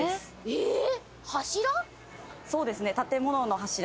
えっ！